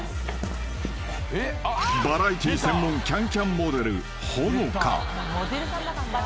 ［バラエティー専門『ＣａｎＣａｍ』モデル］